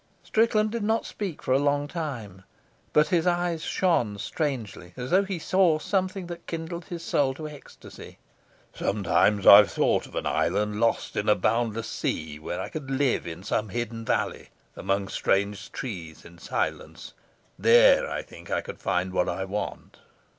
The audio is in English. Strickland did not speak for a long time, but his eyes shone strangely, as though he saw something that kindled his soul to ecstasy. "Sometimes I've thought of an island lost in a boundless sea, where I could live in some hidden valley, among strange trees, in silence. There I think I could find what I want."